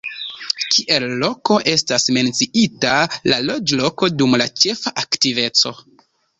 Kiel loko estas menciita la loĝloko dum la ĉefa aktiveco.